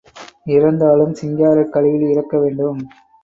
இறந்தாலும் சிங்காரக் கழுவில் இறக்க வேண்டும்.